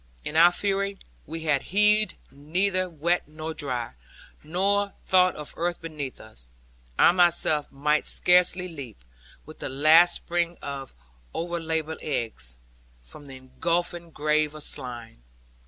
In our fury, we had heeded neither wet nor dry; nor thought of earth beneath us. I myself might scarcely leap, with the last spring of o'er laboured legs, from the engulfing grave of slime.